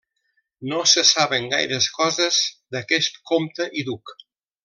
No se saben gaires coses d'aquest comte i duc.